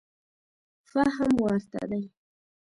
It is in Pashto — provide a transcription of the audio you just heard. فهم ورته دی.